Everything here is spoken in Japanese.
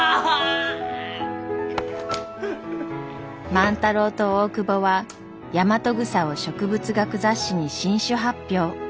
万太郎と大窪はヤマトグサを植物学雑誌に新種発表。